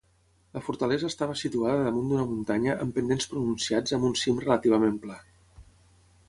La fortalesa estava situada damunt d'una muntanya amb pendents pronunciats amb un cim relativament pla.